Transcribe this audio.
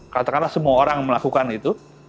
katakanlah semua orang melakukan itu